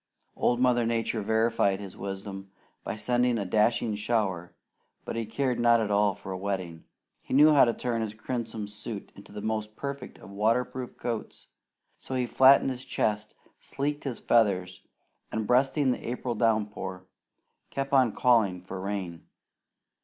Old Mother Nature verified his wisdom by sending a dashing shower, but he cared not at all for a wetting. He knew how to turn his crimson suit into the most perfect of water proof coats; so he flattened his crest, sleeked his feathers, and breasting the April downpour, kept on calling for rain.